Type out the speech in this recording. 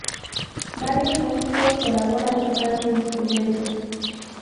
Varios músicos colaboran tocando instrumentos.